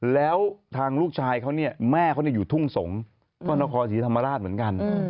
แล้วทางลูกชายเขาเนี่ยแม่เขาอยู่ทุ่งสงศ์ก็นครศรีธรรมราชเหมือนกัน